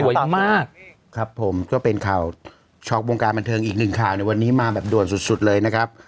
มากครับผมก็เป็นข่าวช็อกวงการบันเทิงอีกหนึ่งข่าวในวันนี้มาแบบด่วนสุดสุดเลยนะครับ